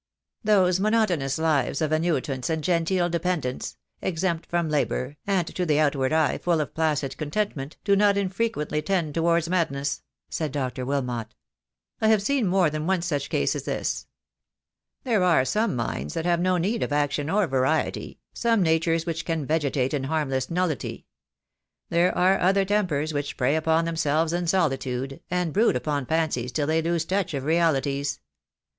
"Those monotonous lives of annuitants and genteel dependents — exempt from labour, and to the outward eye full of placid contentment, do not infrequently tend towards madness," said Dr. Wilmot. "I have seen more than one such case as this. There are some minds that have no need of action or variety, some natures which can vegetate in a harmless nullity. There are other tempers which prey upon themselves in solitude, and brood upon fancies till they lose touch of realities.